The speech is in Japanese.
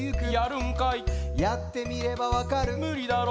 やってみればわかるむりだろ